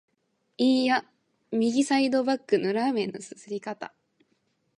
いーや、右サイドバックのラーメンの啜り方！